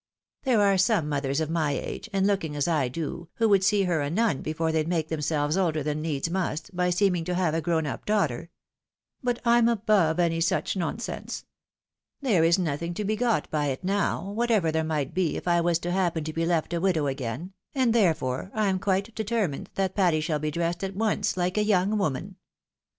There are some mothers of my age, and looking as I do, who would see her a nun before they'd make themselves older than needs must, by seeming to have a grown up daughter. But I'm above any such nonsense. There is nothing to be got by it now, whatever there n\ight be if I was to happen to be left a widow again, and, therefore, I'm quite determined that Patty shall be dressed at once like a young woman.